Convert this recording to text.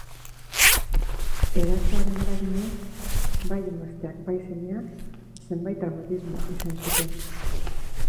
Erasoaren eraginez, bai emazteak, bai semeak zenbait traumatismo izan zuten.